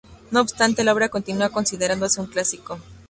No obstante la obra continúa considerándose un clásico.